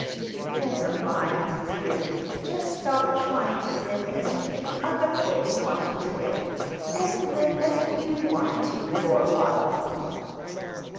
"Never mind, dear, just stop trying to live as you think other folks want you to live, and live as you want to, for a while."